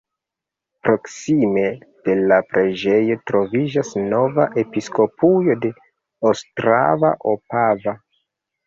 Proksime de la preĝejo troviĝas nova episkopujo de Ostrava-Opava.